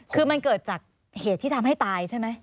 คือมันเกิดจากเหตุที่ทำให้ตายใช่ไหม